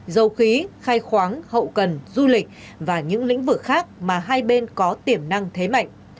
dầu khí khai khoáng hậu cần du lịch và những lĩnh vực khác mà hai bên có tiềm năng thế mạnh